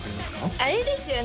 あれですよね？